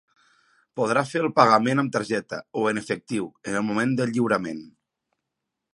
Podrà fer el pagament amb targeta o en efectiu en el moment del lliurament.